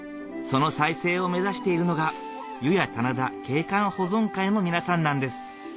その再生を目指しているのがゆや棚田景観保存会の皆さんなんです